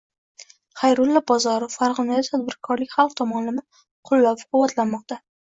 Xayrullo Bozorov: Farg‘onada tadbirkorlik har tomonlama qo‘llab-quvvatlanmoqda